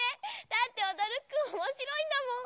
だっておどるくんおもしろいんだもん。